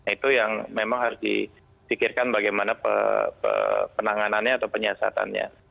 itu yang memang harus disikirkan bagaimana penanganannya atau penyiasatannya